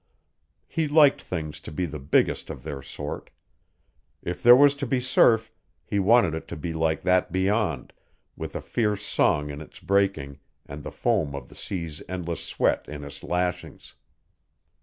He liked things to be the biggest of their sort. If there was to be surf, he wanted it to be like that beyond, with a fierce song in its breaking and the foam of the sea's endless sweat in its lashings.